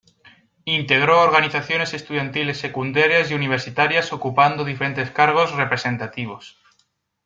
Integró organizaciones estudiantiles secundarias y universitarias ocupando diferentes cargos representativos.